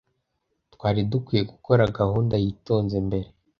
Twari dukwiye gukora gahunda yitonze mbere.